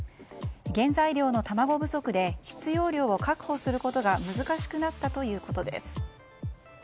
原材料の卵不足で必要量を確保することが難しくなったということです。